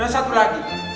dan satu lagi